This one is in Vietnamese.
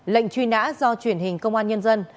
lệnh truy nã do truyền hình công an nhân dân